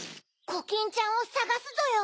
コキンちゃんをさがすぞよ。